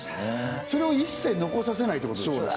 それを一切残させないってことでしょ